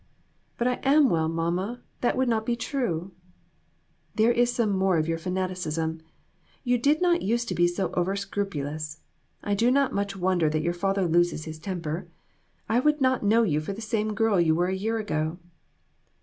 "But I am well, mamma; that would not be true." "There is some more of your fanaticism. You did not use to be so over scrupulous. I do not much wonder that your father loses his temper. I would not know you for the same girl you were a year ago."